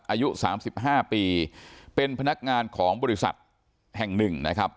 อายุ๓๕ปีเป็นพนักงานของบริษัทแห่งหนึ่งนะครับ